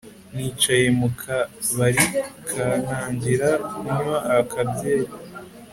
nicaye muka bari ka ntangira kunywa akabyeri